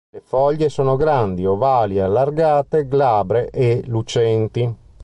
Le foglie sono grandi, ovali allargate, glabre e lucenti.